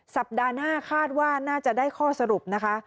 สัปดาห์หน้าคาดว่าน่าจะได้ข้อสรุปนะคะ